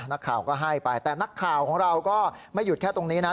นักข่าวก็ให้ไปแต่นักข่าวของเราก็ไม่หยุดแค่ตรงนี้นะ